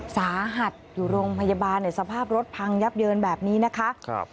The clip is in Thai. สาหัสอยู่โรงพยาบาลในสภาพรถพังยับเยินแบบนี้นะคะ